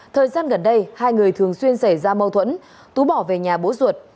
thời gian gần đây hai người thường xuyên xảy ra mâu thuẫn tú bỏ về nhà bố ruột